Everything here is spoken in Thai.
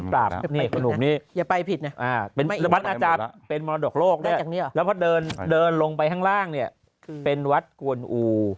แล้วพอเดินลงไปข้างล่างเป็นวัดกวนอู่